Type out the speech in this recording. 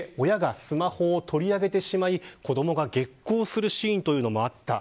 親がスマホを取り上げて子どもが激高するシーンというのもあった。